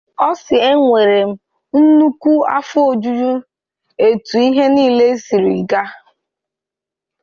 ọ sị "Enwere m nnukwu afọojuju etu ihe niile siri gaa